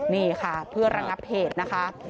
นี่ค่ะเพื่อระงับเหตุนะคะ